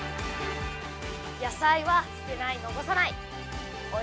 野菜は捨てない、残さない。